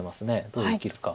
どう生きるか。